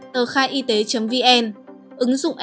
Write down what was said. tờkhaiyt vn ứng dụng